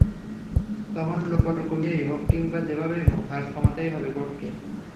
তখন লোকবল কমিয়েই হোক কিংবা যেভাবেই হোক, খরচ কমাতেই হবে বোর্ডকে।